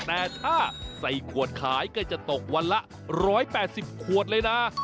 แต่ถ้าใส่ขวดขายก็จะตกวันละ๑๘๐ขวดเลยนะ